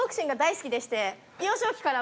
幼少期から。